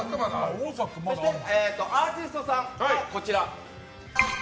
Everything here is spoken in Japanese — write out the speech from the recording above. そしてアーティストさんがこちら。